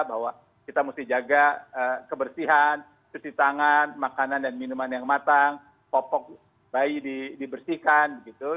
bahwa kita mesti jaga kebersihan cuci tangan makanan dan minuman yang matang popok bayi dibersihkan